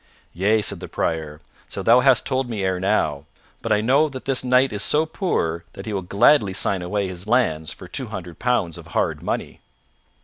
"Yea," said the Prior, "so thou hast told me ere now, but I know that this knight is so poor that he will gladly sign away his lands for two hundred pounds of hard money."